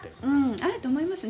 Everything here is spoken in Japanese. あると思いますね。